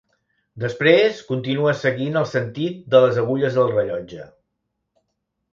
Després continua seguint el sentit de les agulles del rellotge.